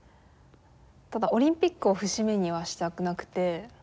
ただオリンピックを節目にはしたくなくて。